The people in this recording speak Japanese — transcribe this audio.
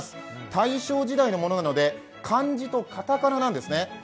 大正時代のものなので漢字と片仮名なんですね。